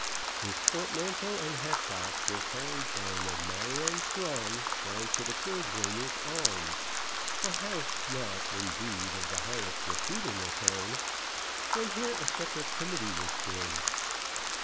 His portmanteau and hat box were carried by an admiring throng down to the Cordwainers' Arms, a house not, indeed, of the highest repute in the town, and here a separate committee was formed.